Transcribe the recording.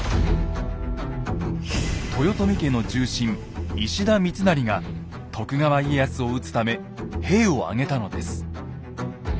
豊臣家の重臣・石田三成が徳川家康を討つため兵を挙げたのです。